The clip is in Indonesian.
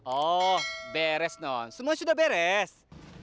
oh beres non semua sudah beres